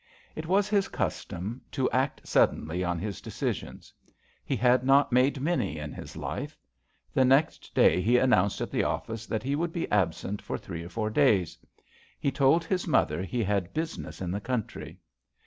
It was his custom to act sud denly on his decisions. He had not made many in his life. The next day he announced at the office that he would be absent for three or four days. He told his mother he had business in .the country.